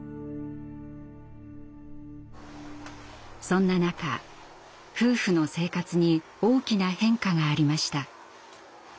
そんな中夫婦の生活に大きな変化がありました。